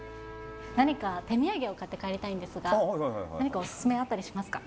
何か、手土産を買って帰りたいんですが、何かお勧めあったりしますか？